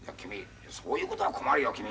そういうことは困るよ